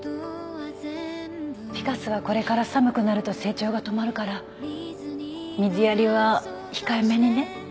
フィカスはこれから寒くなると成長が止まるから水やりは控えめにね。